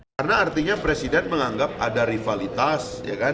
karena artinya presiden menganggap ada rivalitas